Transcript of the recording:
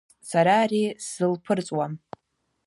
Сара ари сзылԥырҵуам.